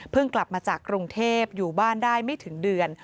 กลับมาจากกรุงเทพอยู่บ้านได้ไม่ถึงเดือน